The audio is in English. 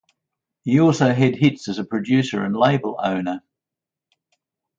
He also had hits as a producer and label owner.